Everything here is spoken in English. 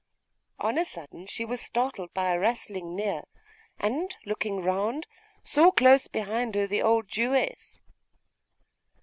On a sudden she was startled by a rustling near; and, looking round, saw close behind her the old Jewess.